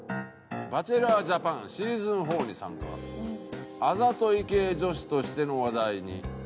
「『バチェラー・ジャパン』シーズン４に参加」「あざとい系女子として話題に」